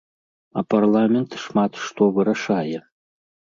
А парламент шмат што вырашае.